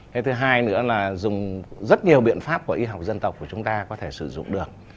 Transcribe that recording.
cái thứ hai nữa là dùng rất nhiều biện pháp của y học dân tộc của chúng ta có thể sử dụng được